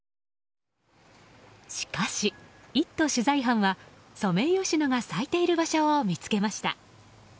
しかし「イット！」取材班はソメイヨシノが咲いている場所を見つけました。